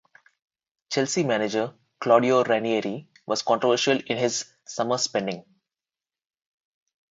Chelsea manager Claudio Ranieri was controversial in his summer spending.